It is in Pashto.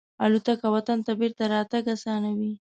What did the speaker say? الوتکه وطن ته بېرته راتګ آسانوي.